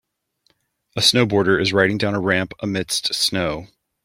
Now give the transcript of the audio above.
A snowboarder is riding down a ramp amidst snow.